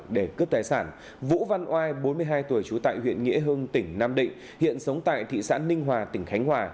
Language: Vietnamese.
để cướp tài sản vũ văn oai bốn mươi hai tuổi trú tại huyện nghĩa hưng tỉnh nam định hiện sống tại thị xã ninh hòa tỉnh khánh hòa